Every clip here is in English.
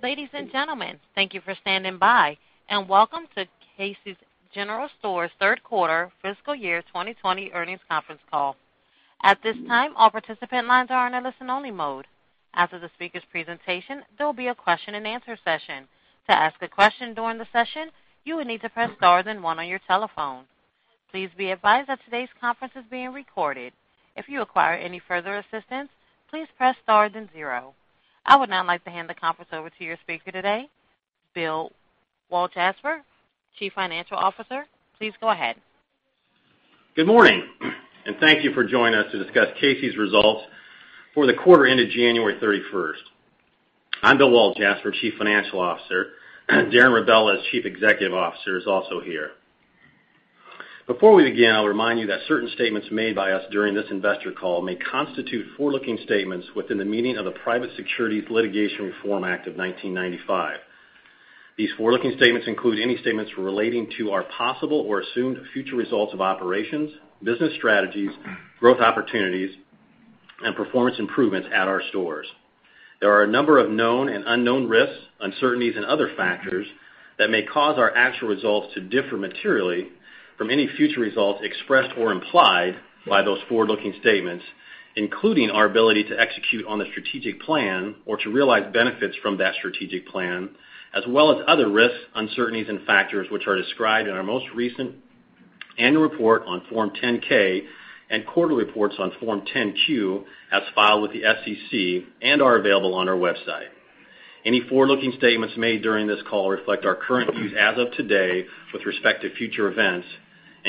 Ladies and gentlemen, thank you for standing by, and welcome to Casey's General Stores Third Quarter, Fiscal Year 2020 Earnings Conference Call. At this time, all participant lines are on a listen-only mode. After the speaker's presentation, there will be a Q&A session. To ask a question during the session, you will need to press Star and one on your telephone. Please be advised that today's conference is being recorded. If you require any further assistance, please press Star and zero. I would now like to hand the conference over to your speaker today, Bill Walljasper, Chief Financial Officer. Please go ahead. Good morning, and thank you for joining us to discuss Casey's results for the quarter ended January 31. I'm Bill Walljasper, Chief Financial Officer. Darren Rebelez, Chief Executive Officer, is also here. Before we begin, I'll remind you that certain statements made by us during this investor call may constitute forward-looking statements within the meaning of the Private Securities Litigation Reform Act of 1995. These forward-looking statements include any statements relating to our possible or assumed future results of operations, business strategies, growth opportunities, and performance improvements at our stores. There are a number of known and unknown risks, uncertainties, and other factors that may cause our actual results to differ materially from any future results expressed or implied by those forward-looking statements, including our ability to execute on the strategic plan or to realize benefits from that strategic plan, as well as other risks, uncertainties, and factors which are described in our most recent annual report on Form 10-K and quarterly reports on Form 10-Q as filed with the SEC and are available on our website. Any forward-looking statements made during this call reflect our current views as of today with respect to future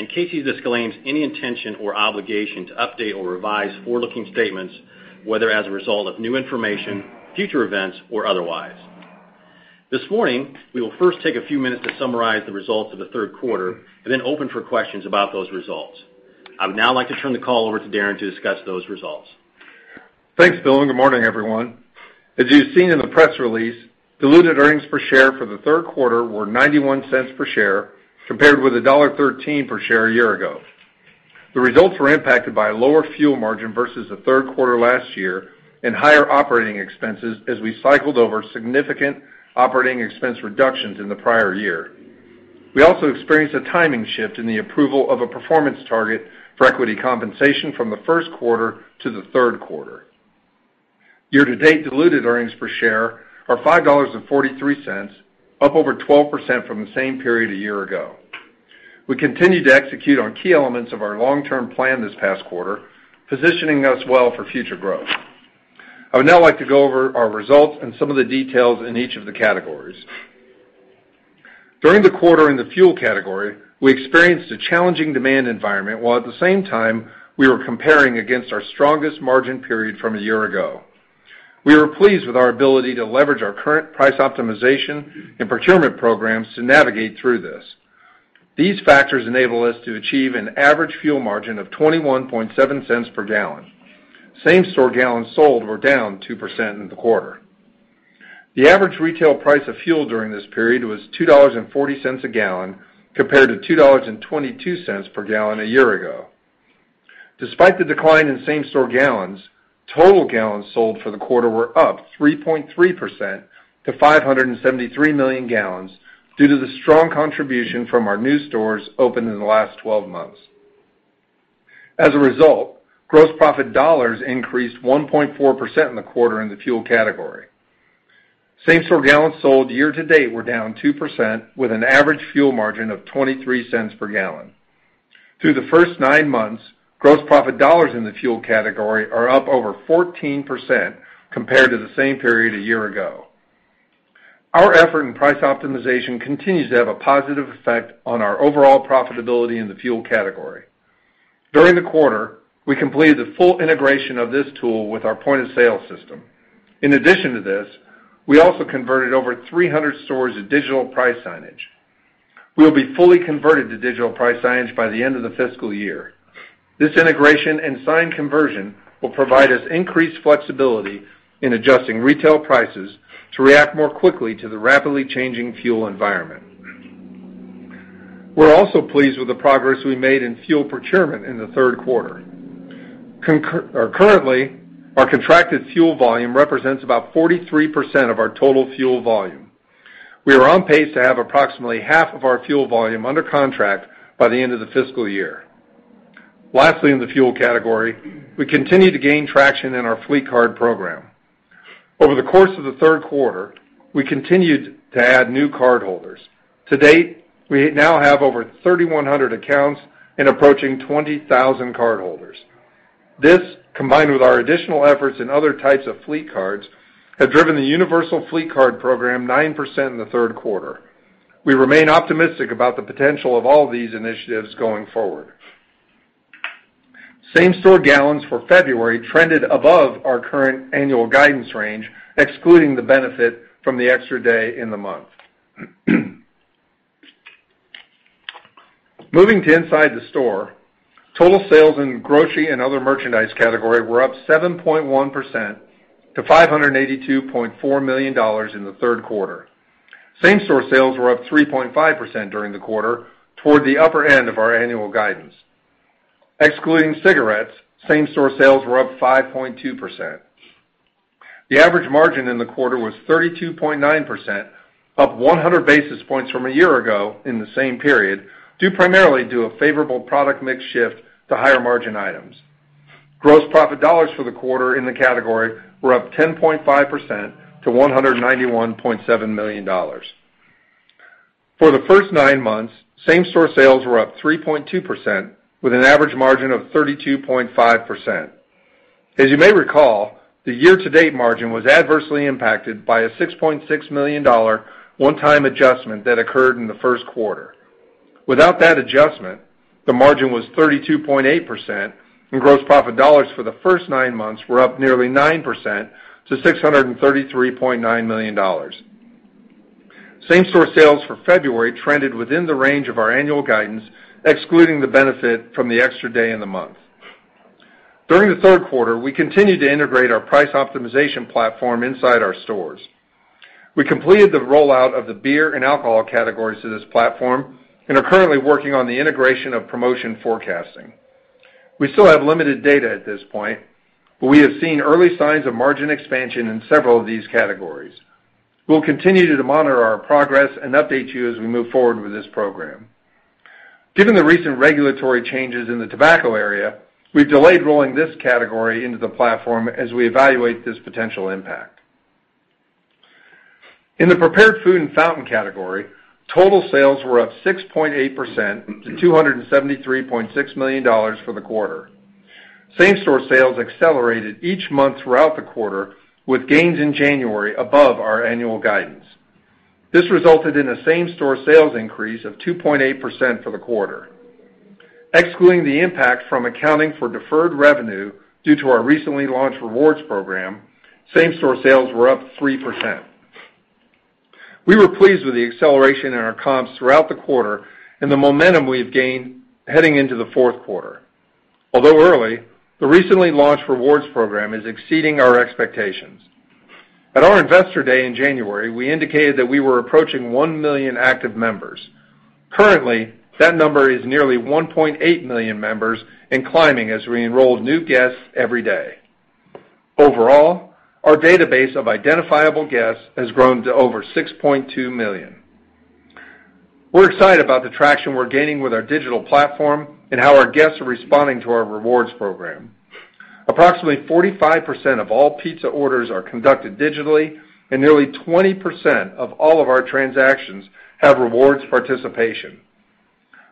events, and Casey's disclaims any intention or obligation to update or revise forward-looking statements, whether as a result of new information, future events, or otherwise. This morning, we will first take a few minutes to summarize the results of the third quarter and then open for questions about those results. I would now like to turn the call over to Darren to discuss those results. Thanks, Bill. Good morning, everyone. As you've seen in the press release, diluted earnings per share for the third quarter were $0.91 per share compared with $1.13 per share a year ago. The results were impacted by a lower fuel margin versus the third quarter last year and higher operating expenses as we cycled over significant operating expense reductions in the prior year. We also experienced a timing shift in the approval of a performance target for equity compensation from the first quarter to the third quarter. Year-to-date diluted earnings per share are $5.43, up over 12% from the same period a year ago. We continued to execute on key elements of our long-term plan this past quarter, positioning us well for future growth. I would now like to go over our results and some of the details in each of the categories. During the quarter in the fuel category, we experienced a challenging demand environment while at the same time we were comparing against our strongest margin period from a year ago. We were pleased with our ability to leverage our current price optimization and procurement programs to navigate through this. These factors enable us to achieve an average fuel margin of $0.217 per gallon. Same-store gallons sold were down 2% in the quarter. The average retail price of fuel during this period was $2.40 a gallon compared to $2.22 per gallon a year ago. Despite the decline in same-store gallons, total gallons sold for the quarter were up 3.3% to 573 million gallons due to the strong contribution from our new stores opened in the last 12 months. As a result, gross profit dollars increased 1.4% in the quarter in the fuel category. Same-store gallons sold year-to-date were down 2% with an average fuel margin of $0.23 per gallon. Through the first nine months, gross profit dollars in the fuel category are up over 14% compared to the same period a year ago. Our effort in price optimization continues to have a positive effect on our overall profitability in the fuel category. During the quarter, we completed the full integration of this tool with our point-of-sale system. In addition to this, we also converted over 300 stores to digital price signage. We will be fully converted to digital price signage by the end of the fiscal year. This integration and sign conversion will provide us increased flexibility in adjusting retail prices to react more quickly to the rapidly changing fuel environment. We're also pleased with the progress we made in fuel procurement in the third quarter. Currently, our contracted fuel volume represents about 43% of our total fuel volume. We are on pace to have approximately half of our fuel volume under contract by the end of the fiscal year. Lastly, in the fuel category, we continue to gain traction in our fleet card program. Over the course of the third quarter, we continued to add new cardholders. To date, we now have over 3,100 accounts and approaching 20,000 cardholders. This, combined with our additional efforts in other types of fleet cards, have driven the Universal Fleet Card program 9% in the third quarter. We remain optimistic about the potential of all these initiatives going forward. Same-store gallons for February trended above our current annual guidance range, excluding the benefit from the extra day in the month. Moving to inside the store, total sales in grocery and other merchandise category were up 7.1% to $582.4 million in the third quarter. Same-store sales were up 3.5% during the quarter, toward the upper end of our annual guidance. Excluding cigarettes, same-store sales were up 5.2%. The average margin in the quarter was 32.9%, up 100 basis points from a year ago in the same period, due primarily to a favorable product mix shift to higher margin items. Gross profit dollars for the quarter in the category were up 10.5% to $191.7 million. For the first nine months, same-store sales were up 3.2% with an average margin of 32.5%. As you may recall, the year-to-date margin was adversely impacted by a $6.6 million one-time adjustment that occurred in the first quarter. Without that adjustment, the margin was 32.8%, and gross profit dollars for the first nine months were up nearly 9% to $633.9 million. Same-store sales for February trended within the range of our annual guidance, excluding the benefit from the extra day in the month. During the third quarter, we continued to integrate our price optimization platform inside our stores. We completed the rollout of the beer and alcohol categories to this platform and are currently working on the integration of promotion forecasting. We still have limited data at this point, but we have seen early signs of margin expansion in several of these categories. We'll continue to monitor our progress and update you as we move forward with this program. Given the recent regulatory changes in the tobacco area, we've delayed rolling this category into the platform as we evaluate this potential impact. In the prepared food and fountain category, total sales were up 6.8% to $273.6 million for the quarter. Same-store sales accelerated each month throughout the quarter, with gains in January above our annual guidance. This resulted in a same-store sales increase of 2.8% for the quarter. Excluding the impact from accounting for deferred revenue due to our recently launched rewards program, same-store sales were up 3%. We were pleased with the acceleration in our comps throughout the quarter and the momentum we've gained heading into the fourth quarter. Although early, the recently launched rewards program is exceeding our expectations. At our investor day in January, we indicated that we were approaching 1 million active members. Currently, that number is nearly 1.8 million members and climbing as we enroll new guests every day. Overall, our database of identifiable guests has grown to over 6.2 million. We're excited about the traction we're gaining with our digital platform and how our guests are responding to our rewards program. Approximately 45% of all pizza orders are conducted digitally, and nearly 20% of all of our transactions have rewards participation.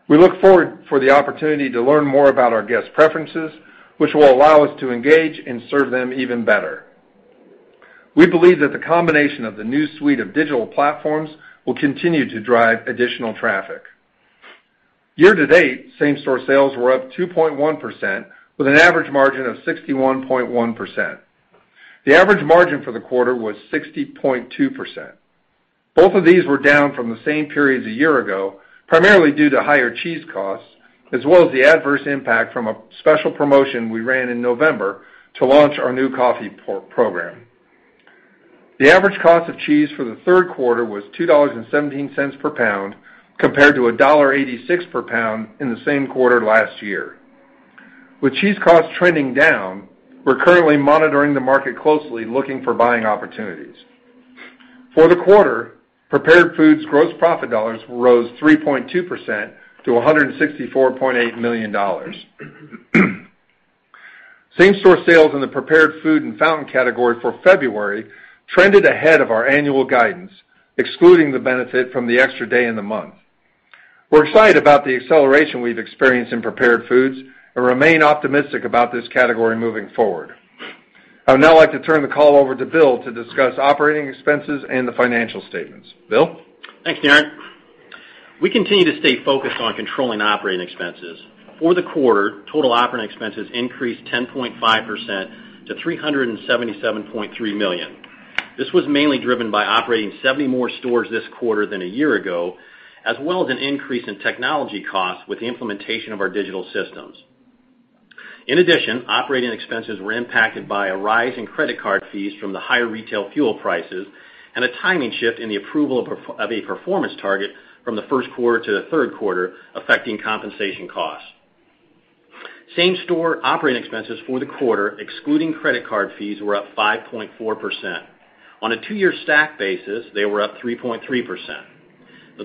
We look forward for the opportunity to learn more about our guest preferences, which will allow us to engage and serve them even better. We believe that the combination of the new suite of digital platforms will continue to drive additional traffic. Year-to-date, same-store sales were up 2.1% with an average margin of 61.1%. The average margin for the quarter was 60.2%. Both of these were down from the same periods a year ago, primarily due to higher cheese costs, as well as the adverse impact from a special promotion we ran in November to launch our new coffee program. The average cost of cheese for the third quarter was $2.17 per pound compared to $1.86 per pound in the same quarter last year. With cheese costs trending down, we're currently monitoring the market closely, looking for buying opportunities. For the quarter, prepared foods gross profit dollars rose 3.2% to $164.8 million. Same-store sales in the prepared food and fountain category for February trended ahead of our annual guidance, excluding the benefit from the extra day in the month. We're excited about the acceleration we've experienced in prepared foods and remain optimistic about this category moving forward. I would now like to turn the call over to Bill to discuss operating expenses and the financial statements. Bill? Thanks, Darren. We continue to stay focused on controlling operating expenses. For the quarter, total operating expenses increased 10.5% to $377.3 million. This was mainly driven by operating 70 more stores this quarter than a year ago, as well as an increase in technology costs with the implementation of our digital systems. In addition, operating expenses were impacted by a rise in credit card fees from the higher retail fuel prices and a timing shift in the approval of a performance target from the first quarter to the third quarter, affecting compensation costs. Same-store operating expenses for the quarter, excluding credit card fees, were up 5.4%. On a two-year stack basis, they were up 3.3%.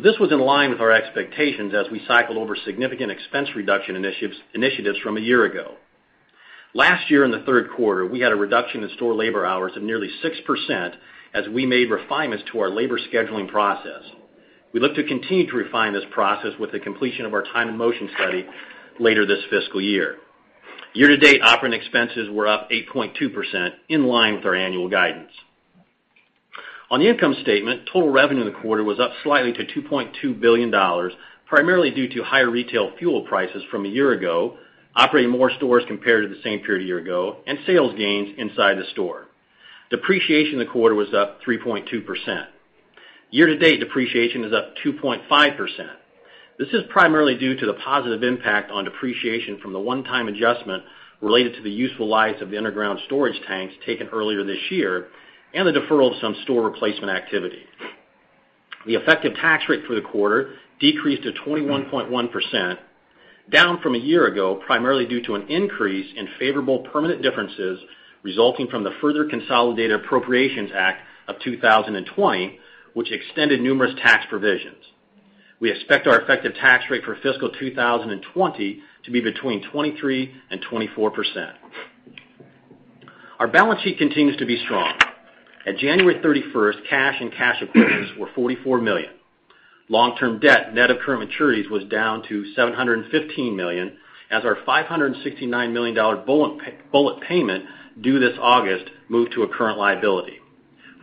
This was in line with our expectations as we cycled over significant expense reduction initiatives from a year ago. Last year, in the third quarter, we had a reduction in store labor hours of nearly 6% as we made refinements to our labor scheduling process. We look to continue to refine this process with the completion of our time and motion study later this fiscal year. Year-to-date operating expenses were up 8.2%, in line with our annual guidance. On the income statement, total revenue in the quarter was up slightly to $2.2 billion, primarily due to higher retail fuel prices from a year ago, operating more stores compared to the same period a year ago, and sales gains inside the store. Depreciation in the quarter was up 3.2%. Year-to-date depreciation is up 2.5%. This is primarily due to the positive impact on depreciation from the one-time adjustment related to the useful life of the underground storage tanks taken earlier this year and the deferral of some store replacement activity. The effective tax rate for the quarter decreased to 21.1%, down from a year ago, primarily due to an increase in favorable permanent differences resulting from the further Consolidated Appropriations Act of 2020, which extended numerous tax provisions. We expect our effective tax rate for fiscal 2020 to be between 23% and 24%. Our balance sheet continues to be strong. At January 31st, cash and cash equivalents were $44 million. Long-term debt net of current maturities was down to $715 million as our $569 million bullet payment due this August moved to a current liability.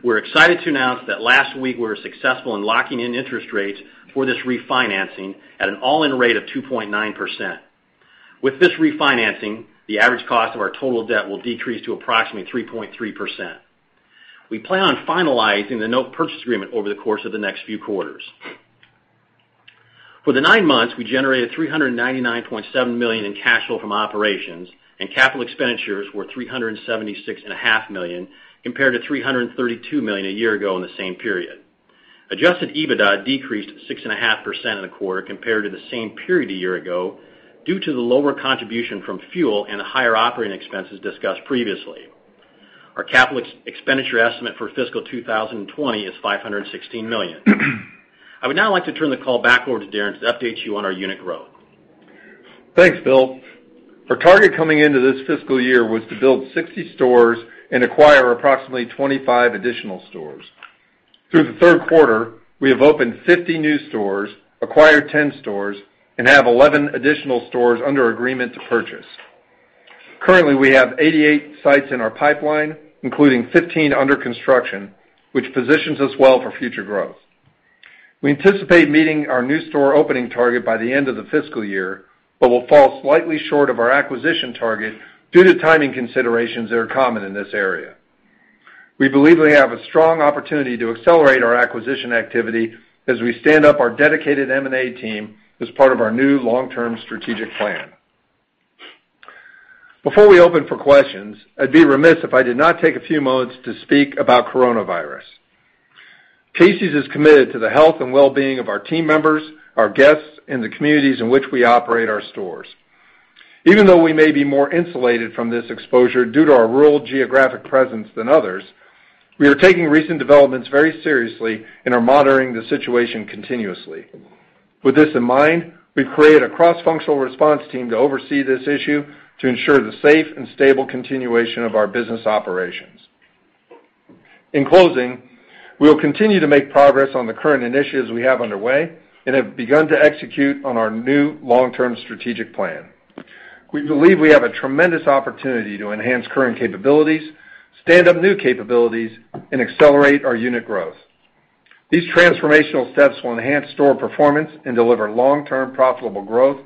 We're excited to announce that last week we were successful in locking in interest rates for this refinancing at an all-in rate of 2.9%. With this refinancing, the average cost of our total debt will decrease to approximately 3.3%. We plan on finalizing the note purchase agreement over the course of the next few quarters. For the nine months, we generated $399.7 million in cash flow from operations, and capital expenditures were $376.5 million compared to $332 million a year ago in the same period. Adjusted EBITDA decreased 6.5% in the quarter compared to the same period a year ago due to the lower contribution from fuel and the higher operating expenses discussed previously. Our capital expenditure estimate for fiscal 2020 is $516 million. I would now like to turn the call back over to Darren to update you on our unit growth. Thanks, Bill. Our target coming into this fiscal year was to build 60 stores and acquire approximately 25 additional stores. Through the third quarter, we have opened 50 new stores, acquired 10 stores, and have 11 additional stores under agreement to purchase. Currently, we have 88 sites in our pipeline, including 15 under construction, which positions us well for future growth. We anticipate meeting our new store opening target by the end of the fiscal year, but we'll fall slightly short of our acquisition target due to timing considerations that are common in this area. We believe we have a strong opportunity to accelerate our acquisition activity as we stand up our dedicated M&A team as part of our new long-term strategic plan. Before we open for questions, I'd be remiss if I did not take a few moments to speak about coronavirus. Casey's is committed to the health and well-being of our team members, our guests, and the communities in which we operate our stores. Even though we may be more insulated from this exposure due to our rural geographic presence than others, we are taking recent developments very seriously and are monitoring the situation continuously. With this in mind, we've created a cross-functional response team to oversee this issue to ensure the safe and stable continuation of our business operations. In closing, we will continue to make progress on the current initiatives we have underway and have begun to execute on our new long-term strategic plan. We believe we have a tremendous opportunity to enhance current capabilities, stand up new capabilities, and accelerate our unit growth. These transformational steps will enhance store performance and deliver long-term profitable growth,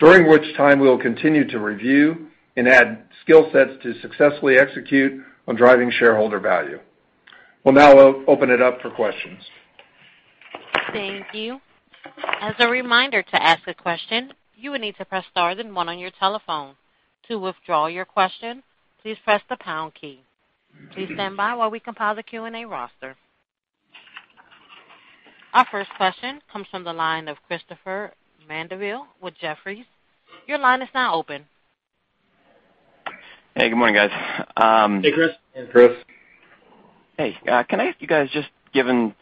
during which time we will continue to review and add skill sets to successfully execute on driving shareholder value. We will now open it up for questions. Thank you. As a reminder to ask a question, you would need to press Star and one on your telephone. To withdraw your question, please press the pound key. Please stand by while we compile the Q&A roster. Our first question comes from the line of Christopher Mandeville with Jefferies. Your line is now open. Hey, good morning, guys. Hey, Chris. Hey, Chris. Hey. Can I ask you guys, just given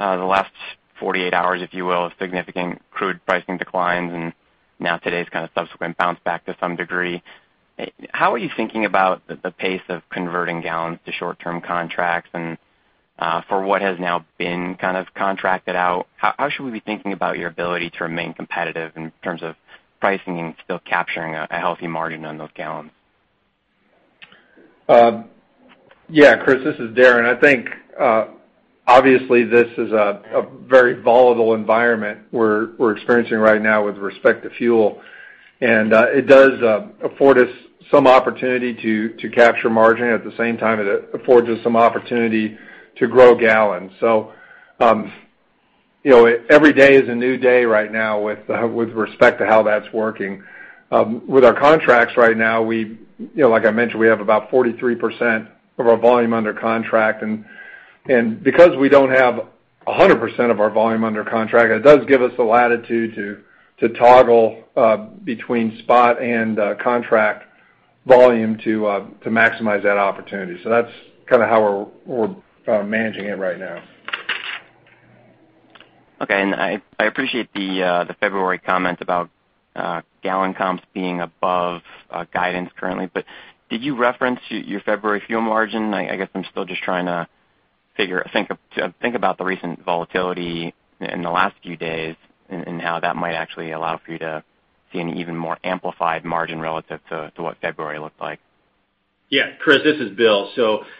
the last 48 hours, if you will, of significant crude pricing declines and now today's kind of subsequent bounce back to some degree, how are you thinking about the pace of converting gallons to short-term contracts and for what has now been kind of contracted out? How should we be thinking about your ability to remain competitive in terms of pricing and still capturing a healthy margin on those gallons? Yeah, Chris, this is Darren. I think, obviously, this is a very volatile environment we're we're experiencing right now with respect to fuel, and it does afford us some opportunity to capture margin. At the same time, it affords us some opportunity to grow gallons. So every day is a new day right now with with respect to how that's working. With our contracts right now, we like I mentioned, we have about 43% of our volume under contract, and and because we don't have 100% of our volume under contract, it does give us the latitude to to toggle between spot and contract volume to to maximize that opportunity. So that's kind of how we're managing it right now. Okay. I appreciate the February comment about gallon comps being above guidance currently, but did you reference your February fuel margin? I guess I'm still just trying to think about the recent volatility in the last few days and how that might actually allow for you to see an even more amplified margin relative to what February looked like. Yeah. Chris, this is Bill.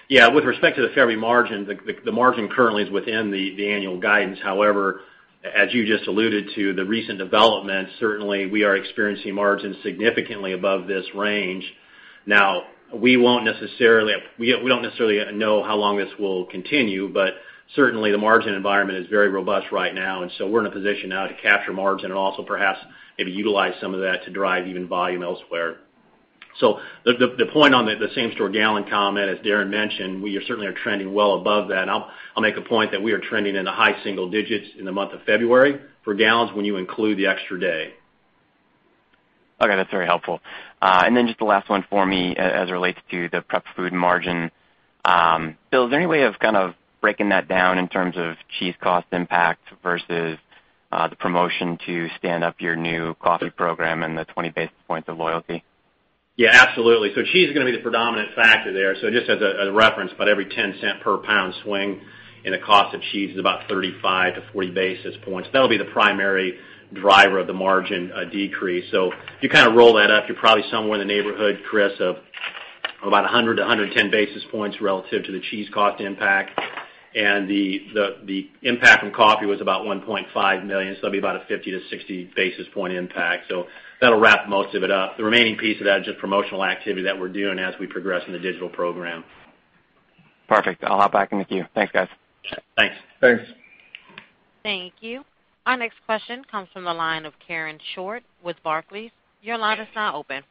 Yeah, with respect to the February margin, the margin currently is within the annual guidance. However, as you just alluded to, the recent development, certainly, we are experiencing margins significantly above this range. Now, we do not necessarily know how long this will continue, but certainly, the margin environment is very robust right now, and we are in a position now to capture margin and also perhaps maybe utilize some of that to drive even volume elsewhere. So the the point on the same-store gallon comment, as Darren mentioned, we certainly are trending well above that. I'll make a point that we are trending in the high single digits in the month of February for gallons when you include the extra day. Okay. That's very helpful. Just the last one for me as it relates to the prepared food margin. Bill, is there any way of kind of breaking that down in terms of cheese cost impact versus the promotion to stand up your new coffee program and the 20 basis points of loyalty? Yeah, absolutely. Cheese is going to be the predominant factor there. Just as a reference, about every $0.10 per pound swing in the cost of cheese is about 35-40 basis points. That will be the primary driver of the margin decrease. So if you kind of roll that up, you are probably somewhere in the neighborhood, Chris, of about 100-110 basis points relative to the cheese cost impact. And the the impact from coffee was about $1.5 million, so that will be about a 50-60 basis point impact. So that will wrap most of it up. The remaining piece of that is just promotional activity that we are doing as we progress in the digital program. Perfect. I'll hop back in with you. Thanks, guys. Thanks. Thanks. Thank you. Our next question comes from the line of Karen Short with Barclays. Your line is now open.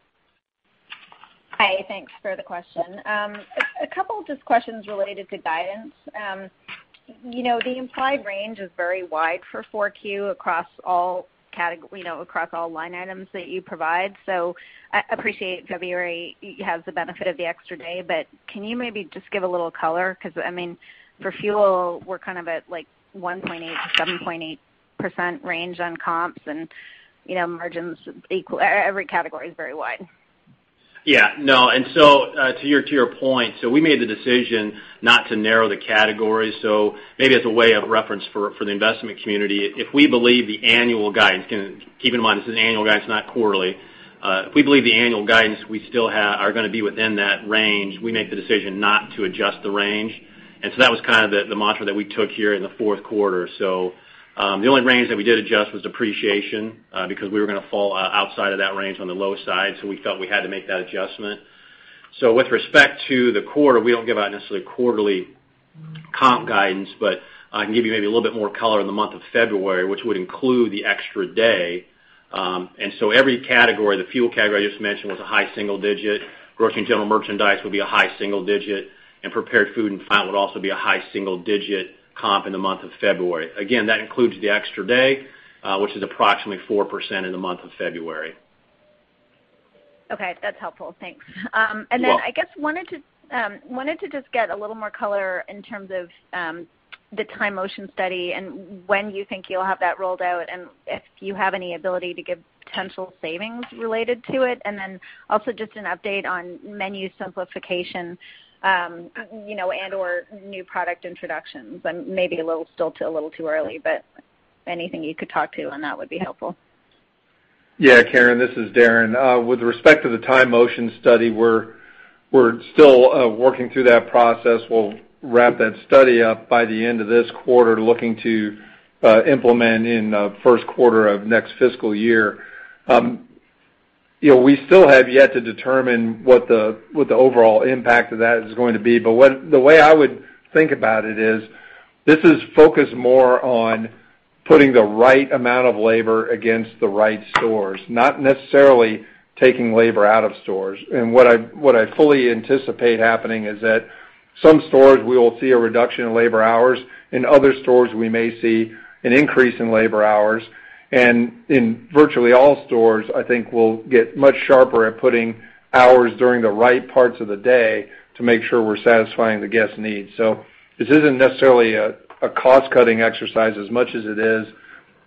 Hi. Thanks for the question. A couple of just questions related to guidance. You know the implied range is very wide for 4Q across all you know across all line items that you provide. So I appreciate February has the benefit of the extra day, but can you maybe just give a little color? Coz I mean, for fuel, we're kind of like at 1.8%-7.8% range on comps, and you know margins are equal. Every category is very wide. Yeah. No. To your point, we made the decision not to narrow the category. So maybe as a way of reference for the investment community, if we believe the annual guidance—keep in mind, this is an annual guidance, not quarterly—if we believe the annual guidance we still are going to be within that range, we make the decision not to adjust the range. And so that was kind of the mantra that we took here in the fourth quarter. So the only range that we did adjust was depreciation because we were going to fall outside of that range on the low side, so we felt we had to make that adjustment. So with respect to the quarter, we don't give out necessarily quarterly comp guidance, but I can give you maybe a little bit more color in the month of February, which would include the extra day. And so every category, the fuel category I just mentioned, was a high single digit. Grocery and general merchandise would be a high single digit, and prepared food and fountain would also be a high single digit comp in the month of February. Again, that includes the extra day, which is approximately 4% in the month of February. Okay. That's helpful. Thanks. And then I guess wanted to just get a little more color in terms of of the time and motion study and when you think you'll have that rolled out and if you have any ability to give potential savings related to it. And then also just an update on menu simplification you know and/or new product introductions. And I'm maybe a little still too early, but anything you could talk to on that would be helpful. Yeah. Karen, this is Darren. With respect to the time and motion study, we're we're still working through that process. We'll wrap that study up by the end of this quarter, looking to implement in the first quarter of next fiscal year. Yeah we still have yet to determine what the what the overall impact of that is going to be, but but the way I would think about it is this is focused more on putting the right amount of labor against the right stores, not necessarily taking labor out of stores. And what I what I fully anticipate happening is that some stores we will see a reduction in labor hours. In other stores, we may see an increase in labor hours. And in virtually all stores, I think we'll get much sharper at putting hours during the right parts of the day to make sure we're satisfying the guest needs. This isn't necessarily a cost-cutting exercise as much as it is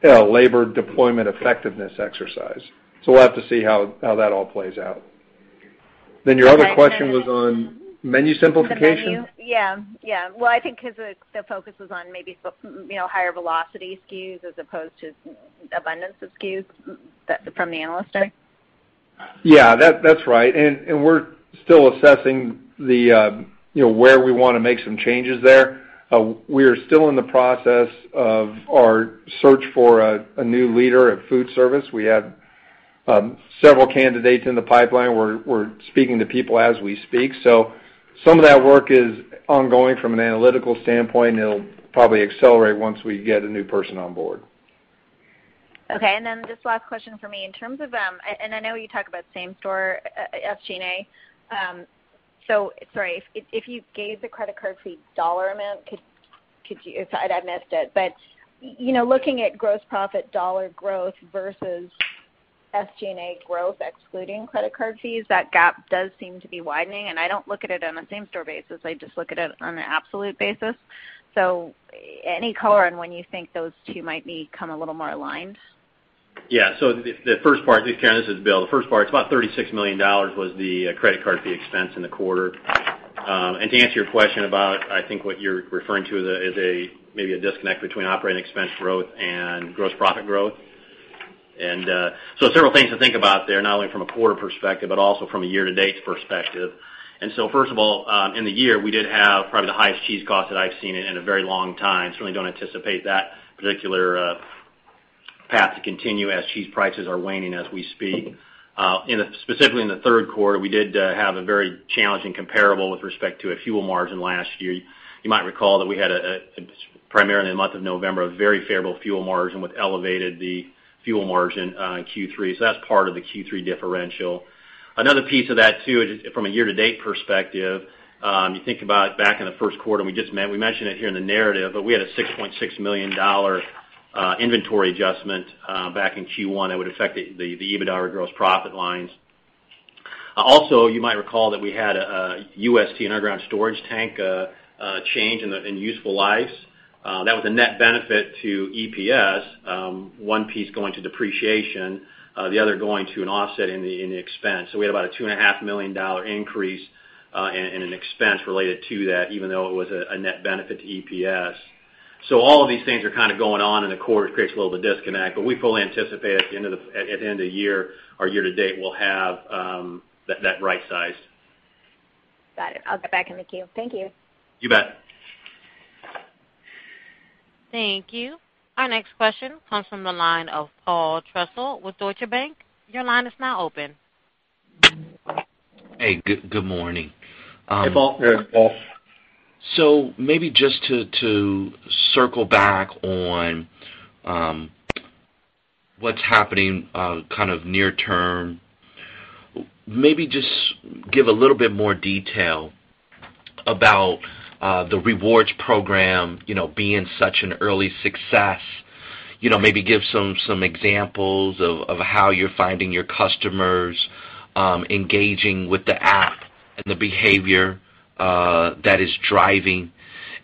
a labor deployment effectiveness exercise. So we'll have to see how how that all plays out. Your other question was on menu simplification? Yeah. Yeah. Well I think because the focus was on maybe higher velocity SKUs as opposed to abundance of SKUs from the analyst side. Yeah. That's that's right. And we are still assessing where we want to make some changes there. We are still in the process of our search for a new leader at food service. We have several candidates in the pipeline. We're we're speaking to people as we speak. So some of that work is ongoing from an analytical standpoint, and it'll probably accelerate once we get a new person on board. Okay. And then just last question for me in terms of—and I know you talked asbout same-store SG&A. So sorry, if you gave the credit card fee dollar amount, I missed it. Looking at gross profit dollar growth versus SG&A growth excluding credit card fees, that gap does seem to be widening. And I do not look at it on a same-store basis. I just look at it on an absolute basis. So any color on when you think those two might become a little more aligned? Yeah. So the first part, it's about $36 million was the credit card fee expense in the quarter. And to answer your question about, I think, what you're referring to as maybe a disconnect between operating expense growth and gross profit growth. And so several things to think about there, not only from a quarter perspective but also from a year-to-date perspective. And so first of all, in the year, we did have probably the highest cheese cost that I've seen in a very long time. Certainly, don't anticipate that particular path to continue as cheese prices are waning as we speak. Specifically, in the third quarter, we did have a very challenging comparable with respect to a fuel margin last year. You might recall that we had, primarily in the month of November, a very favorable fuel margin which elevated the fuel margin in Q3. That is part of the Q3 differential. Another piece of that, too, from a year-to-date perspective, you think about back in the first quarter, and we just mentioned it here in the narrative, but we had a $6.6 million inventory adjustment back in Q1 that would affect the EBITDA or gross profit lines. Also, you might recall that we had a UST, an underground storage tank, change in useful lives. That was a net benefit to EPS, one piece going to depreciation, the other going to an offset in in the expense. We had about a $2.5 million increase in in expense related to that, even though it was a net benefit to EPS. So all of these things are kind of going on, and the quarter creates a little bit of disconnect. We fully anticipate at the end of the year, our year-to-date, we'll have that right sized. Got it. I'll get back in the queue. Thank you. You bet. Thank you. Our next question comes from the line of Paul Trussell with Deutsche Bank. Your line is now open. Hey. Good morning. Hey, Paul. Hey, Paul. So maybe just to to circle back on what's happening kind of near term, maybe just give a little bit more detail about the rewards program you know being such an early success. You know maybe give some some examples of how you're finding your customers engaging with the app and the behavior that is driving.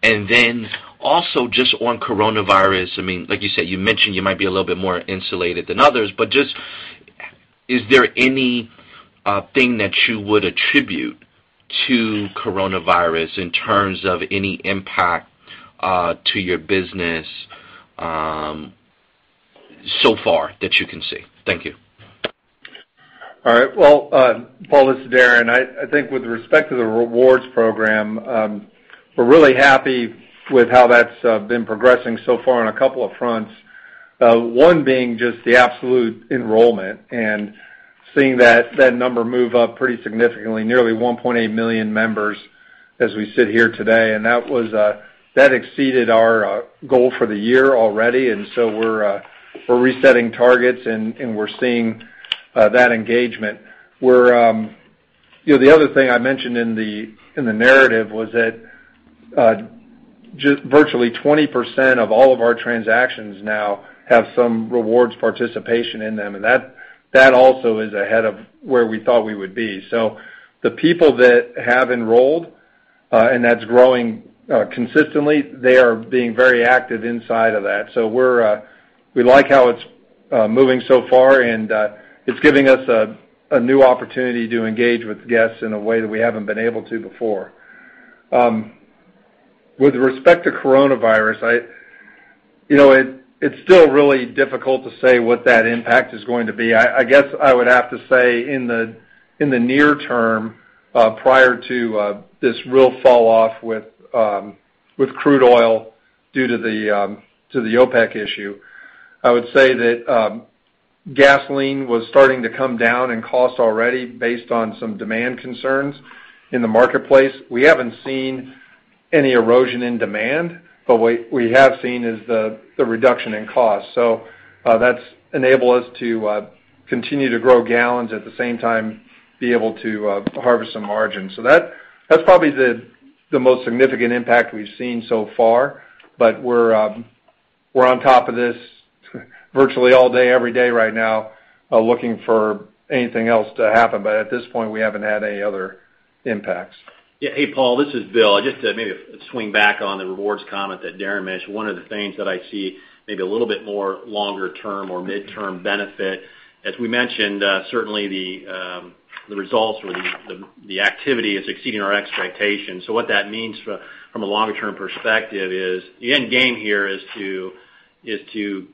And then also just one coronavirus I mean, like you said, you mentioned you might be a little bit more insulated than others, but just is there anything that you would attribute to coronavirus in terms of any impact to your business so far that you can see? Thank you. All right. Well Paul, this is Darren. I think with respect to the rewards program, we're really happy with how that's been progressing so far on a couple of fronts, one being just the absolute enrollment and seeing that number move up pretty significantly, nearly 1.8 million members as we sit here today. And that was that exceeded our goal for the year already, and so we are resetting targets, and and we're seeing that engagement. Well the other thing I mentioned in the in the narrative was that virtually 20% of all of our transactions now have some rewards participation in them, and that that also is ahead of where we thought we would be. So the people that have enrolled, and that's growing consistently, they are being very active inside of that. So we like how it's moving so far, and it's giving us a new opportunity to engage with guests in a way that we haven't been able to before. With respect to coronavirus, it's still really difficult to say what that impact is going to be. I guess I would have to say in the in the near term prior to this real falloff with crude oil due to the to the OPEC issue, I would say that gasoline was starting to come down in cost already based on some demand concerns in the marketplace. We haven't seen any erosion in demand, but what we have seen is the reduction in cost. That's enabled us to continue to grow gallons at the same time, be able to harvest some margin. That is probably the most significant impact we've seen so far, but we're on top of this virtually all day, every day right now, looking for anything else to happen. At this point, we haven't had any other impacts. Yeah. Hey, Paul. This is Bill. Just to maybe swing back on the rewards comment that Darren mentioned, one of the things that I see maybe a little bit more longer-term or mid-term benefit, as we mentioned, certainly the results or the activity is exceeding our expectations. What that means from a longer-term perspective is the end game here is to is to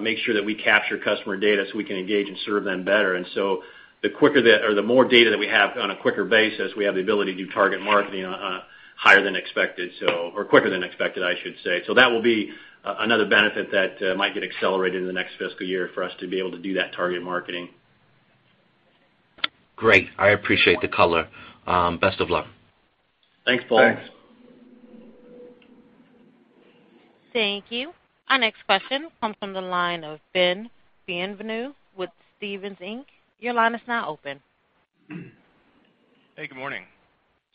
make sure that we capture customer data so we can engage and serve them better. So the quicker that or the more data that we have on a quicker basis, we have the ability to do target marketing higher than expected, so or quicker than expected, I should say. That will be another benefit that might get accelerated in the next fiscal year for us to be able to do that target marketing. Great. I appreciate the color. Best of luck. Thanks, Paul. Thanks. Thank you. Our next question comes from the line of Ben Bienvenu with Stephens Inc. Your line is now open. Hey. Good morning.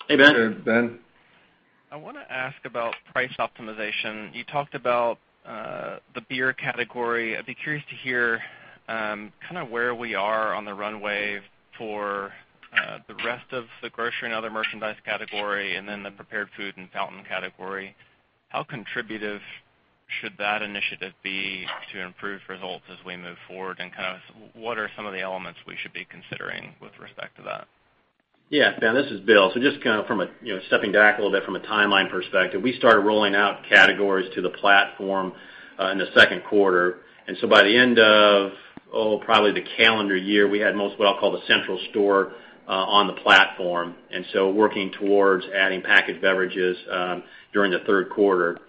Hey, Ben. Hey, Ben. I want to ask about price optimization. You talked about the beer category. I'd be curious to hear kind of where we are on the runway for the rest of the grocery and other merchandise category and then the prepared food and fountain category. How contributive should that initiative be to improve results as we move forward? What are some of the elements we should be considering with respect to that? Yeah. This is Bill. Just kind of stepping back a little bit from a timeline perspective, we started rolling out categories to the platform in the second quarter. And so by the end of, oh, probably the calendar year, we had what I'll call the central store on the platform. And so working towards adding packaged beverages during the third quarter.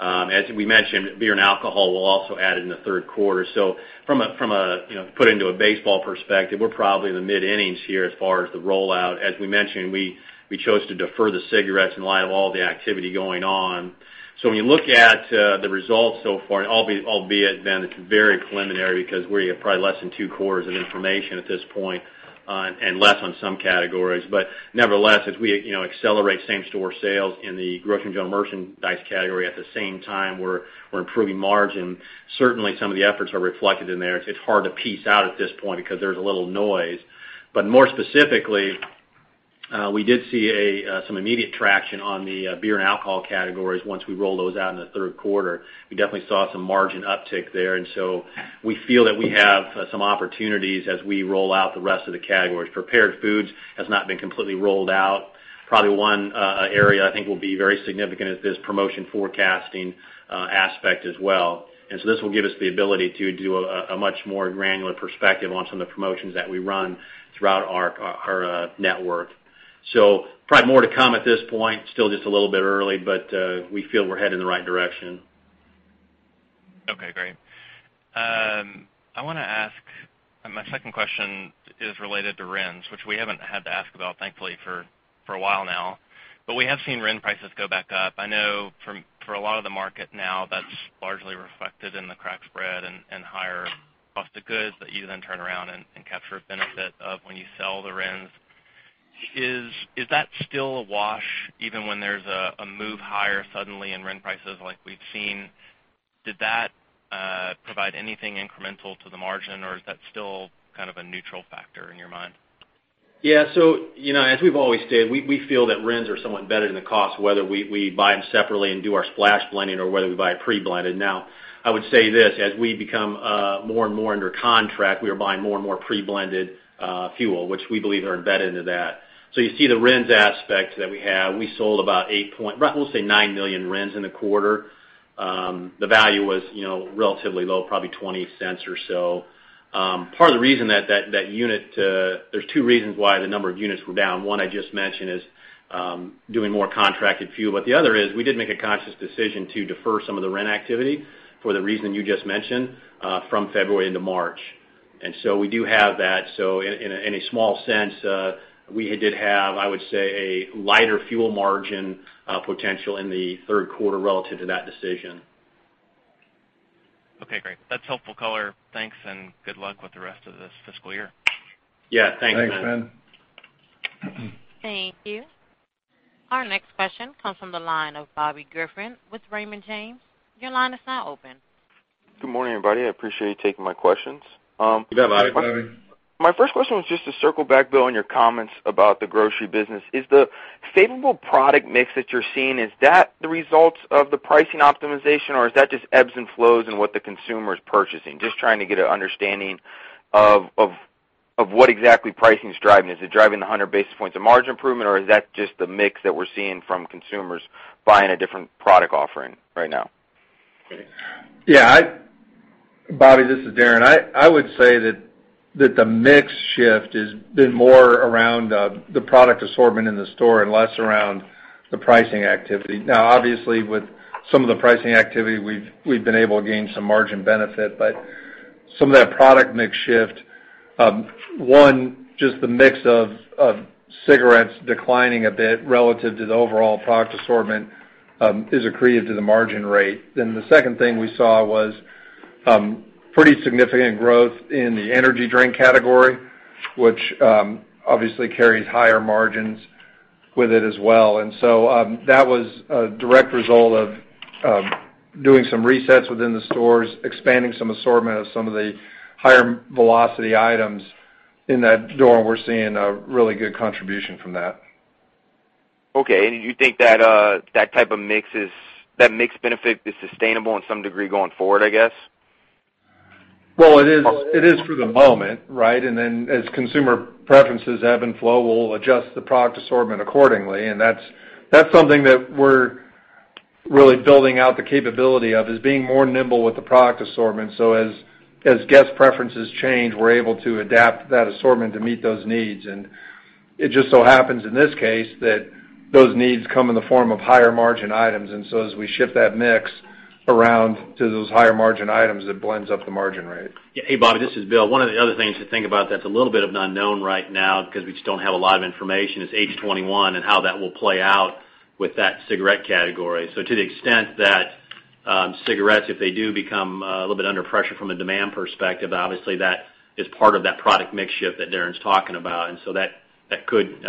As we mentioned, beer and alcohol will also add in the third quarter. So from a from a put into a baseball perspective, we're probably in the mid-innings here as far as the rollout. As we mentioned, we we chose to defer the cigarettes in light of all the activity going on. So when you look at the results so far, albeit then it's very preliminary because we have probably less than two quarters of information at this point and less on some categories. But nevertheless, as we accelerate same-store sales in the grocery and general merchandise category at the same time we're we're improving margin, certainly some of the efforts are reflected in there. It's hard to piece out at this point because there's a little noise. But more specifically, we did see some immediate traction on the beer and alcohol categories once we rolled those out in the third quarter. We definitely saw some margin uptick there. So we feel that we have some opportunities as we roll out the rest of the categories. Prepared foods has not been completely rolled out. Probably one area I think will be very significant is this promotion forecasting aspect as well. This will give us the ability to do a much more granular perspective on some of the promotions that we run throughout our our network. Probably more to come at this point, still just a little bit early, but we feel we're headed in the right direction. Okay. Great. I want to ask my second question is related to rents, which we haven't had to ask about, thankfully, for a while now. We have seen rent prices go back up. I know for a lot of the market now, that's largely reflected in the cracked bread and higher cost of goods that you then turn around and capture a benefit of when you sell the rents. Is that still a wash even when there's a move higher suddenly in rent prices like we've seen? Did that provide anything incremental to the margin, or is that still kind of a neutral factor in your mind? Yeah. As we've always stated, we feel that RINs are somewhat embedded in the cost, whether we buy them separately and do our splash blending or whether we buy it pre-blended. Now I would say this: as we become more and more under contract, we are buying more and more pre-blended fuel, which we believe are embedded into that. So you see the RINs aspect that we have. We sold about 8.9 million RINs in the quarter. The value was relatively low, probably $0.20 or so. Part of the reason that that unit—there are two reasons why the number of units were down. One I just mentioned is doing more contracted fuel, but the other is we did make a conscious decision to defer some of the RIN activity for the reason you just mentioned from February into March. And so we do have that. So in a small sense, we did have, I would say, a lighter fuel margin potential in the third quarter relative to that decision. Okay. Great. That's helpful color. Thanks, and good luck with the rest of this fiscal year. Yeah. Thanks. Thanks, Ben. Thank you. Our next question comes from the line of Bobby Griffin with Raymond James. Your line is now open. Good morning, everybody. I appreciate you taking my questions. You bet, Bobby. My first question was just to circle back, Bill, on your comments about the grocery business. Is the favorable product mix that you're seeing, is that the result of the pricing optimization, or is that just ebbs and flows in what the consumer is purchasing, just trying to get an understanding of of what exactly pricing is driving? Is it driving the 100 basis points of margin improvement, or is that just the mix that we're seeing from consumers buying a different product offering right now? Yeah. Bobby, this is Darren. I would say that that the mix shift has been more around the product assortment in the store and less around the pricing activity. Now, obviously, with some of the pricing activity, we've been able to gain some margin benefit, but some of that product mix shift, one, just the mix of of cigarettes declining a bit relative to the overall product assortment is accretive to the margin rate. And the second thing we saw was pretty significant growth in the energy drink category, which obviously carries higher margins with it as well. And so that was a direct result of of doing some resets within the stores, expanding some assortment of some of the higher velocity items in that door. We're seeing a really good contribution from that. Okay. You think that that type of mix, that mix benefit is sustainable in some degree going forward, I guess? It is for the moment, right? And then as consumer preferences ebb and flow, we'll adjust the product assortment accordingly. And that's something that we're we're really building out the capability of, is being more nimble with the product assortment. So as guest preferences change, we're able to adapt that assortment to meet those needs. And it just so happens in this case that those needs come in the form of higher margin items. So as we shift that mix around to those higher margin items, it blends up the margin rate. Hey, Bobby, this is Bill. One of the other things to think about that's a little bit of an unknown right now because we just don't have a lot of information is H21 and how that will play out with that cigarette category. To the extent that cigarettes, if they do become a little bit under pressure from a demand perspective, obviously that is part of that product mix shift that Darren's talking about. So that that could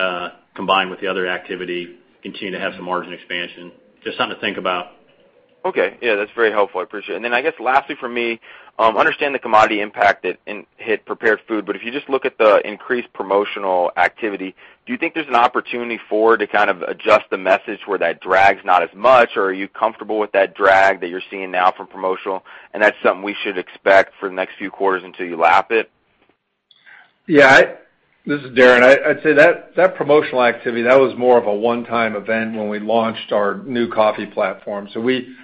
combine with the other activity, continue to have some margin expansion. Just something to think about. Okay. Yeah. That's very helpful. I appreciate it. I guess lastly for me, understand the commodity impact that hit prepared food. If you just look at the increased promotional activity, do you think there's an opportunity for it to kind of adjust the message where that drag's not as much, or are you comfortable with that drag that you're seeing now from promotional? Is that something we should expect for the next few quarters until you lap it? Yeah. This is Darren. I'd say that promotional activity, that was more of a one-time event when we launched our new coffee platform. So we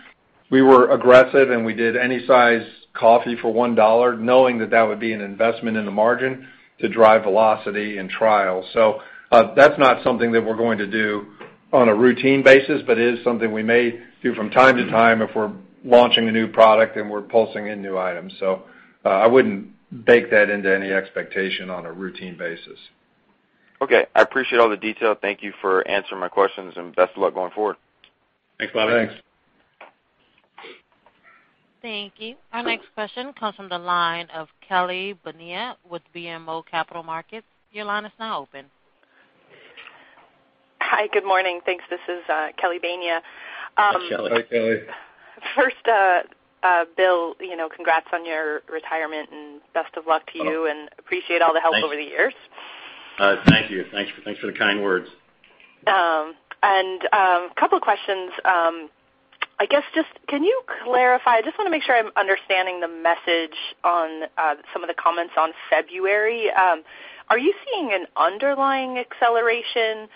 we were aggressive, and we did any size coffee for $1, knowing that that would be an investment in the margin to drive velocity and trial. So that's not something that we're going to do on a routine basis, but it is something we may do from time to time if we're launching a new product and we're pulsing in new items. So I wouldn't bake that into any expectation on a routine basis. Okay. I appreciate all the detail. Thank you for answering my questions, and best of luck going forward. Thanks, Bobby. Thanks. Thank you. Our next question comes from the line of Kelly Bania with BMO Capital Markets. Your line is now open. Hi. Good morning. Thanks. This is Kelly Bania. Hi, Kelly. First, Bill, you know congrats on your retirement, and best of luck to you, and appreciate all the help over the years. Thank you. Thanks for the kind words. And a couple of questions. I guess just can you clarify? I just want to make sure I'm understanding the message on some of the comments on February. Are you seeing an underlying acceleration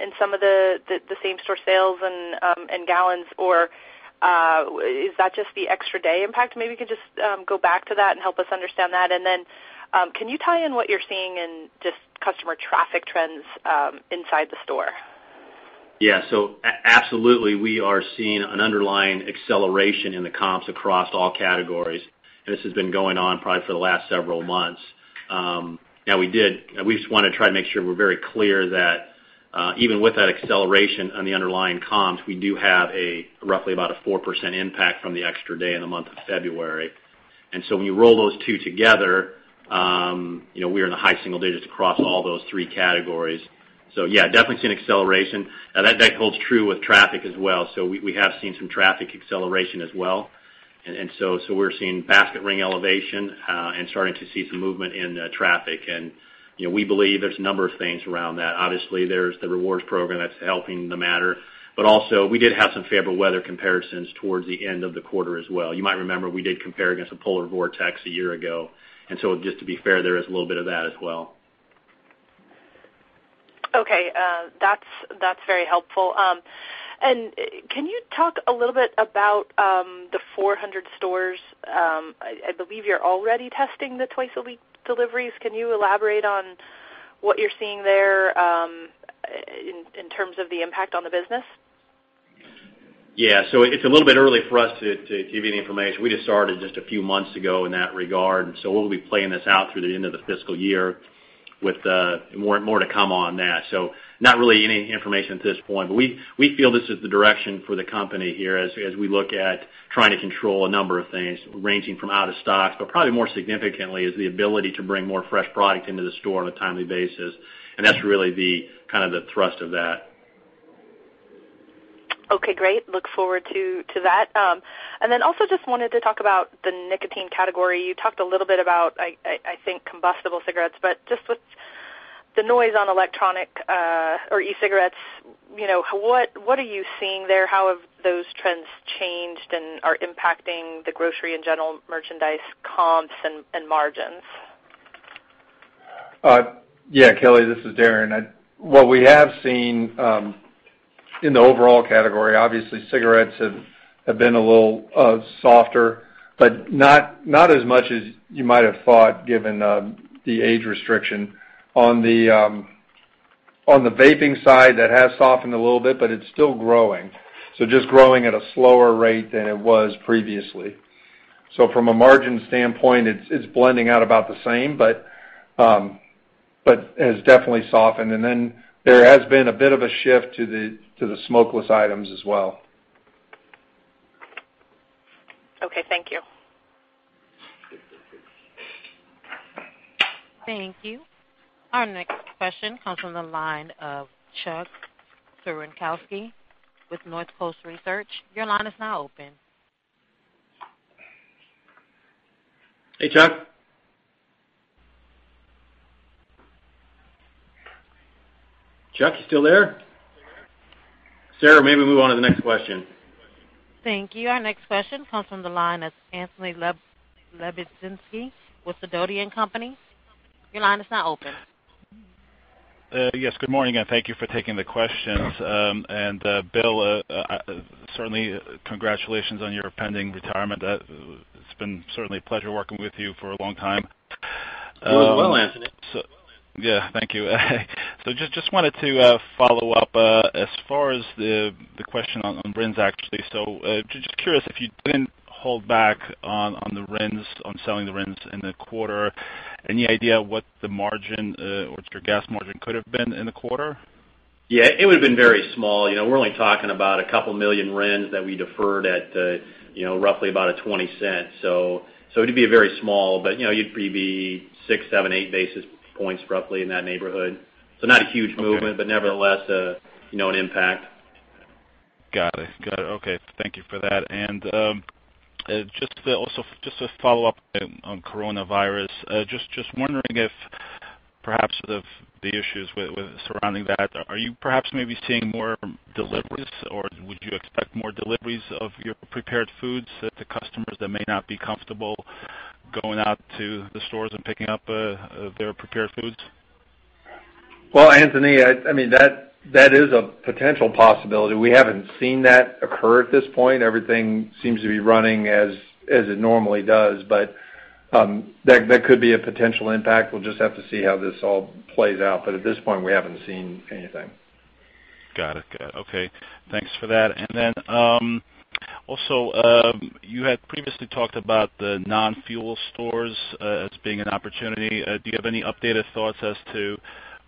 in some of the same-store sales and gallons, or is that just the extra-day impact? Maybe you could just go back to that and help us understand that. Can you tie in what you're seeing in just customer traffic trends inside the store? Yeah. So absolutely, we are seeing an underlying acceleration in the comps across all categories. This has been going on probably for the last several months. And we did we just want to try to make sure we're very clear that even with that acceleration on the underlying comps, we do have roughly about a 4% impact from the extra day in the month of February. And so when you roll those two together, we are in the high single digits across all those three categories. So yeah, definitely see an acceleration. And that holds true with traffic as well. So we have seen some traffic acceleration as well. And so we're seeing basket ring elevation and starting to see some movement in traffic. And and we believe there's a number of things around that. Obviously, there's the rewards program that's helping the matter. But also, we did have some favorable weather comparisons towards the end of the quarter as well. You might remember we did compare against the polar vortex a year ago. And so just to be fair, there is a little bit of that as well. Okay. That's very helpful. And can you talk a little bit about the 400 stores? I believe you're already testing the twice-a-week deliveries. Can you elaborate on what you're seeing there in terms of the impact on the business? Yeah. It is a little bit early for us to give you the information. We just started just a few months ago in that regard. We will be playing this out through the end of the fiscal year with more to come on that. Not really any information at this point. We feel this is the direction for the company here as we look at trying to control a number of things ranging from out of stock, but probably more significantly is the ability to bring more fresh product into the store on a timely basis. That is really kind of the thrust of that. Okay. Great. Look forward to that. And I just wanted to talk about the nicotine category. You talked a little bit about, I I think, combustible cigarettes, but just with the noise on electronic or e-cigarettes, you know what are you seeing there? How have those trends changed and are impacting the grocery and general merchandise comps and margins? Yeah. Kelly, this is Darren. What we have seen in the overall category, obviously, cigarettes have been a little softer, but not not as much as you might have thought given the age restriction. On the vaping side, that has softened a little bit, but it's still growing. Just growing at a slower rate than it was previously. So from a margin standpoint, it's blending out about the same, but but has definitely softened. And there has been a bit of a shift to the to the smokeless items as well. Okay. Thank you. Thank you. Our next question comes from the line of Chuck Cerankosky with Northcoast Research. Your line is now open. Hey, Chuck. Chuck, you still there? Sarah, maybe move on to the next question. Thank you. Our next question comes from the line of Anthony Lebiedzinski with Sidoti & Company. Your line is now open. Yes. Good morning and thank you for taking the questions. Bill, certainly congratulations on your pending retirement. It's been certainly a pleasure working with you for a long time. You as well, Anthony. Yeah. Thank you. Just wanted to follow up as far as the question on rents, actually. Just curious if you did not hold back on the rents, on selling the rents in the quarter, any idea what the margin or what your gas margin could have been in the quarter? Yeah. It would have been very small. We're only talking about a couple million rents that we deferred at roughly about $0.20. So it would be very small, but you'd be six, seven, eight basis points roughly in that neighborhood. Not a huge movement, but nevertheless an impact. Got it. Got it. Okay. Thank you for that. And just just to follow up on coronavirus, just wondering if perhaps the issues surrounding that, are you perhaps maybe seeing more deliveries, or would you expect more deliveries of your prepared foods to customers that may not be comfortable going out to the stores and picking up their prepared foods? Well, Anthony, I mean, that that is a potential possibility. We haven't seen that occur at this point. Everything seems to be running as as it normally does, but but that could be a potential impact. We'll just have to see how this all plays out. At this point, we haven't seen anything. Got it. Got it. Okay. Thanks for that. Also you had previously talked about the non-fuel stores as being an opportunity. Do you have any updated thoughts as to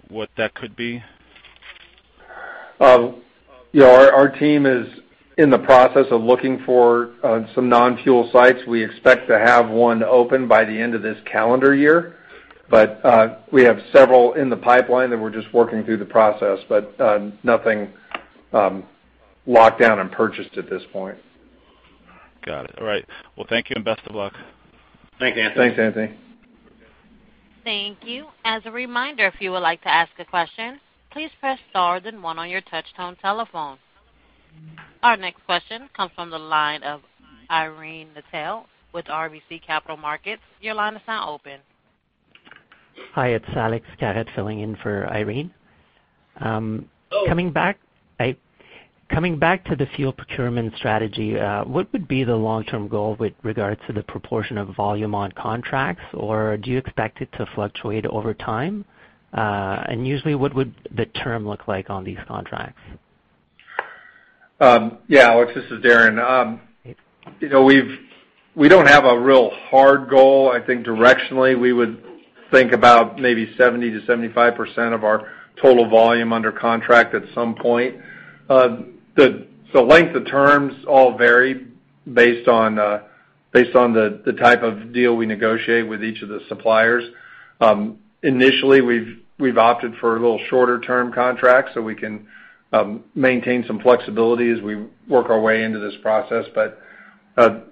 what that could be? Yeah. Our team is in the process of looking for some non-fuel sites. We expect to have one open by the end of this calendar year, but we have several in the pipeline that we're just working through the process, but but nothing locked down and purchased at this point. Got it. All right. Thank you and best of luck. Thanks, Anthony. Thanks, Anthony. Thank you. As a reminder, if you would like to ask a question, please press Star then one on your touch-tone telephone. Our next question comes from the line of Irene Nattel with RBC Capital Markets. Your line is now open. Hi. It's Alex Kozich filling in for Irene. Coming back coming back to the fuel procurement strategy, what would be the long-term goal with regards to the proportion of volume on contracts, or do you expect it to fluctuate over time? And usually, what would the term look like on these contracts? Yeah. Alex, this is Darren. We we don't have a real hard goal. I think directionally, we would think about maybe 70-75% of our total volume under contract at some point. The length of terms all vary based on the based on the type of deal we negotiate with each of the suppliers. Initially, we've we've opted for a little shorter-term contract so we can maintain some flexibility as we work our way into this process. But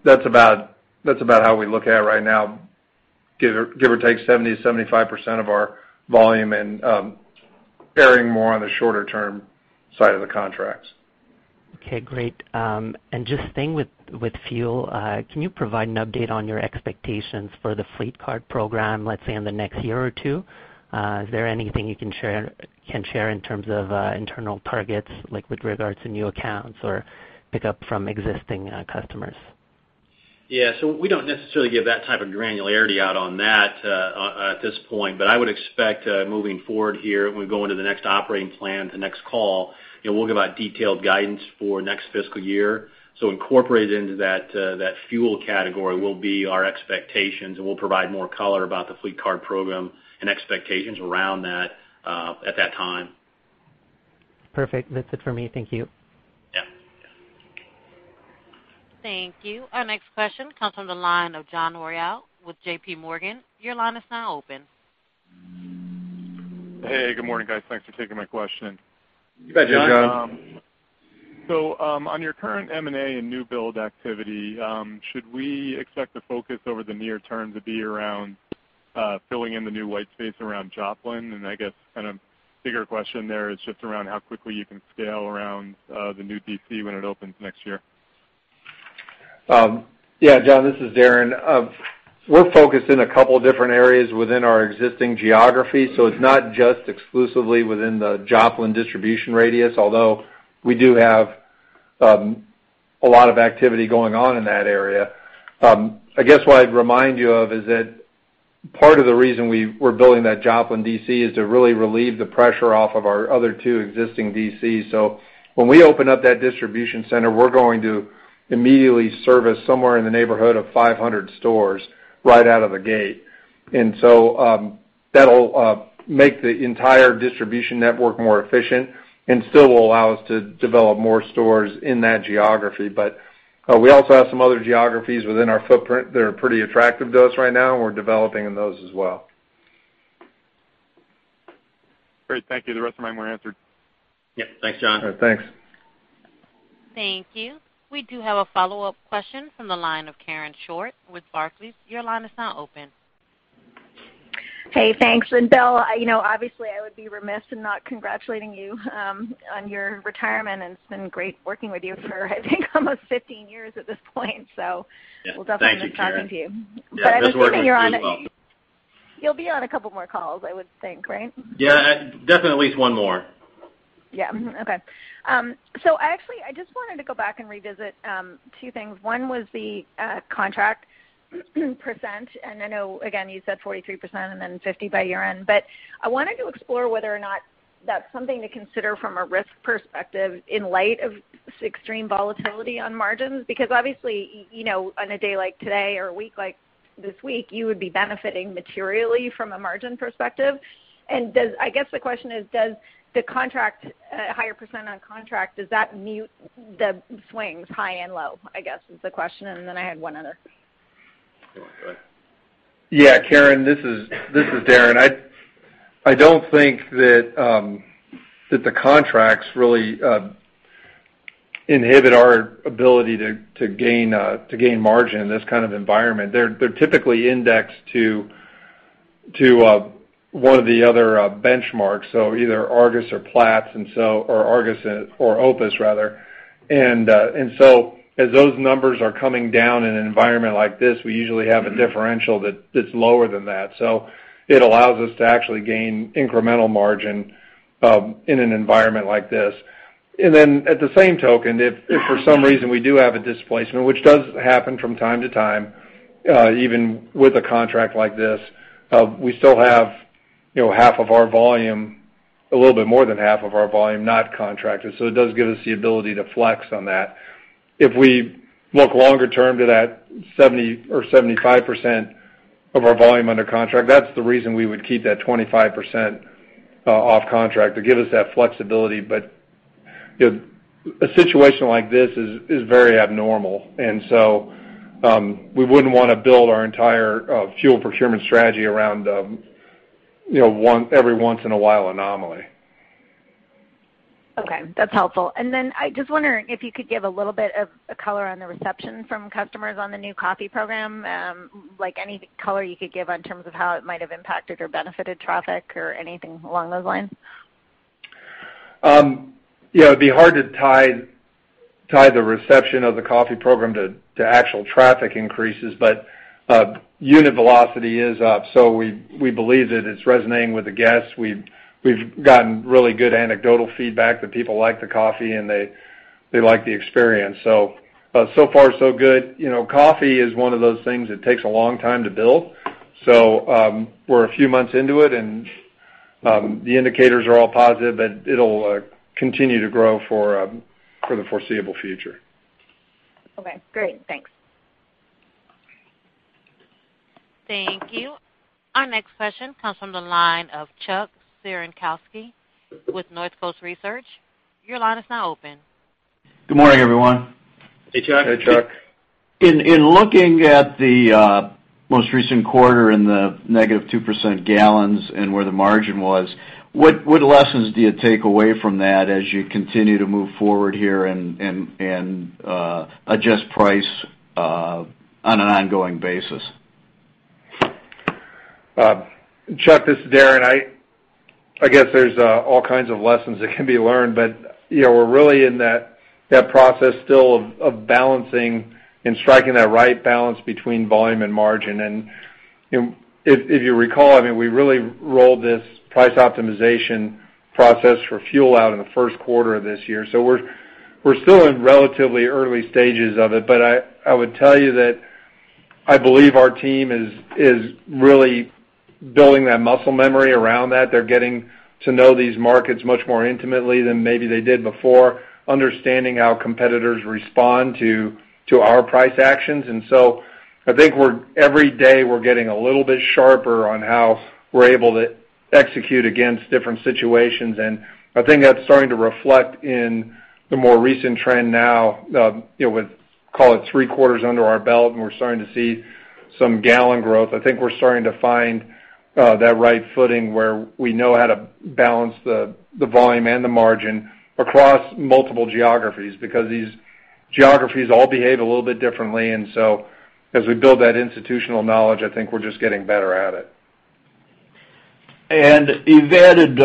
that's about that's about how we look at it right now, give or take 70-75% of our volume and varying more on the shorter-term side of the contracts. Okay. Great. And just staying with fuel, can you provide an update on your expectations for the fleet card program, let's say, in the next year or two? Is there anything you can share in terms of internal targets with regards to new accounts or pickup from existing customers? Yeah. We do not necessarily give that type of granularity out on that at this point, but I would expect moving forward here, when we go into the next operating plan, the next call, we will give out detailed guidance for next fiscal year. So incorporated into that fuel category will be our expectations, and we will provide more color about the fleet card program and expectations around that at that time. Perfect. That's it for me. Thank you. Yeah. Thank you. Our next question comes from the line of John Royall with J.P. Morgan. Your line is now open. Hey. Good morning, guys. Thanks for taking my question. You bet, John. So on your current M&A and new build activity, should we expect the focus over the near term to be around filling in the new white space around Joplin? I guess kind of bigger question there is just around how quickly you can scale around the new DC when it opens next year. Yeah. John, this is Darren. We're focused in a couple of different areas within our existing geography. So it's not just exclusively within the Joplin distribution radius, although we do have a lot of activity going on in that area. I guess what I'd remind you of is that part of the reason we're building that Joplin DC is to really relieve the pressure off of our other two existing DCs. So when we open up that distribution center, we're going to immediately service somewhere in the neighborhood of 500 stores right out of the gate. And so that'll make the entire distribution network more efficient and still will allow us to develop more stores in that geography. But we also have some other geographies within our footprint that are pretty attractive to us right now, and we're developing in those as well. Great. Thank you. The rest of my answered. Yep. Thanks, John. All right. Thanks. Thank you. We do have a follow-up question from the line of Karen Short with Barclays. Your line is now open. Hey, thanks. Bill, obviously, I would be remiss in not congratulating you on your retirement. It has been great working with you for, I think, almost 15 years at this point. So we will definitely be talking to you. I am assuming you are on. Yeah. That's what I think as well. You'll be on a couple more calls, I would think, right? Yeah. Definitely at least one more. Yeah. Okay. So actually, I just wanted to go back and revisit two things. One was the contract %. I know, again, you said 43% and then 50% by year-end. I wanted to explore whether or not that's something to consider from a risk perspective in light of extreme volatility on margins. Bacause obviously, on a day like today or a week like this week, you would be benefiting materially from a margin perspective. I guess the question is, does the contract, higher % on contract, does that mute the swings, high and low, I guess, is the question. I had one other. Yeah. Karen, this is Darren. I don't think that that the contracts really inhibit our ability to to gain margin in this kind of environment. They are typically indexed to to one of the other benchmarks, so either Argus or Platts or Argus or OPIS, rather. And so as those numbers are coming down in an environment like this, we usually have a differential that is lower than that. So it allows us to actually gain incremental margin in an environment like this. And then at the same token, if for some reason we do have a displacement, which does happen from time to time, even with a contract like this, we still have half of our volume, a little bit more than half of our volume, not contracted. It does give us the ability to flex on that. If we look longer-term to that 70% or 75% of our volume under contract, that's the reason we would keep that 25% off contract to give us that flexibility. But but a situation like this is is very abnormal. And so we would not want to build our entire fuel procurement strategy around every once in a while anomaly. Okay. That's helpful. And then I just wonder if you could give a little bit of color on the reception from customers on the new coffee program, like any color you could give on terms of how it might have impacted or benefited traffic or anything along those lines. Yeah. It'd be hard to tie the reception of the coffee program to actual traffic increases, but unit velocity is up. So we believe that it's resonating with the guests. We've gotten really good anecdotal feedback that people like the coffee and they like the experience. So but so far, so good. You know coffee is one of those things that takes a long time to build. So we're a few months into it, and the indicators are all positive, but it'll continue to grow for the foreseeable future. Okay. Great. Thanks. Thank you. Our next question comes from the line of Chuck Cerankosky with Northcoast Research. Your line is now open. Good morning, everyone. Hey, Chuck. Hey, Chuck. In in looking at the most recent quarter in the negative 2% gallons and where the margin was, what lessons do you take away from that as you continue to move forward here and and adjust price on an ongoing basis? Chuck, this is Darren. I I guess there's all kinds of lessons that can be learned, but we're really in that that process still of balancing and striking that right balance between volume and margin. And if you recall, I mean, we really rolled this price optimization process for fuel out in the first quarter of this year. So we're we're still in relatively early stages of it, but I would tell you that I believe our team is really building that muscle memory around that. They're getting to know these markets much more intimately than maybe they did before, understanding how competitors respond to to our price actions. And so I think every day we're getting a little bit sharper on how we're able to execute against different situations. And I think that's starting to reflect in the more recent trend now with, call it, three quarters under our belt, and we're starting to see some gallon growth. I think we're starting to find that right footing where we know how to balance the volume and the margin across multiple geographies because these geographies all behave a little bit differently. And so as we build that institutional knowledge, I think we're just getting better at it. And you've added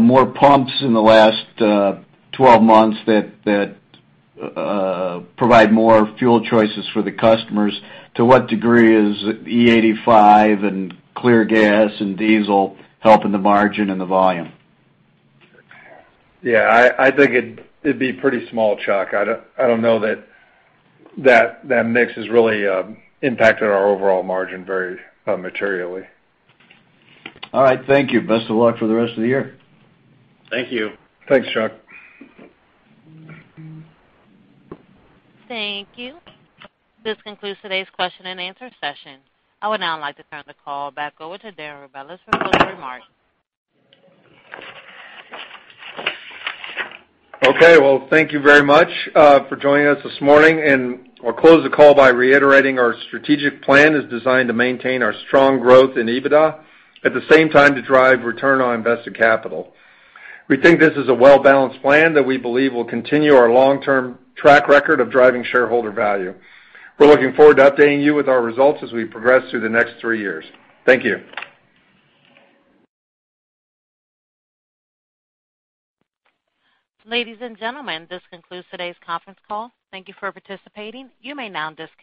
more pumps in the last 12 months that that provide more fuel choices for the customers. To what degree is E85 and Clear Gas and Diesel helping the margin and the volume? Yeah. I think it'd be pretty small, Chuck. I don't know that that mix has really impacted our overall margin very materially. All right. Thank you. Best of luck for the rest of the year. Thank you. Thanks, Chuck. Thank you. This concludes today's question and answer session. I would now like to turn the call back over to Darren Rebelez for closing remarks. Okay, thank you very much for joining us this morning. I will close the call by reiterating our strategic plan is designed to maintain our strong growth in EBITDA at the same time to drive return on invested capital. We think this is a well-balanced plan that we believe will continue our long-term track record of driving shareholder value. We are looking forward to updating you with our results as we progress through the next three years. Thank you. Ladies and gentlemen, this concludes today's conference call. Thank you for participating. You may now disconnect.